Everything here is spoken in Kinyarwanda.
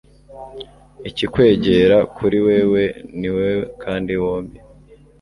Ikikwegera kuri wewe ni we kandi bombi